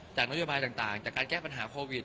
นโยบายต่างจากการแก้ปัญหาโควิด